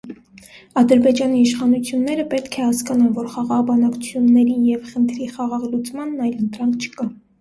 Ադրբեջանի իշխանությունները պետք է հասկանան, որ խաղաղ բանակցություններին և խնդրի խաղաղ լուծմանն այլընտրանք չկա: